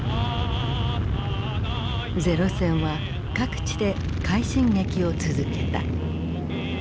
零戦は各地で快進撃を続けた。